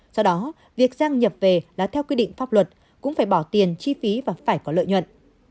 do đó việc giang nhập về là theo quy định pháp luật cũng phải bỏ tiền chi phí và phải có lợi nhuận